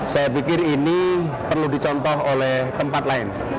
saya pikir ini perlu dicontoh oleh tempat lain